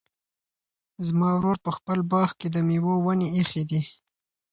زما ورور په خپل باغ کې د مېوو ونې ایښي دي.